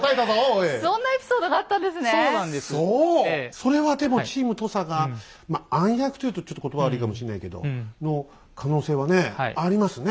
それはでもチーム土佐がまあ暗躍と言うとちょっと言葉は悪いかもしんないけどの可能性はねありますね。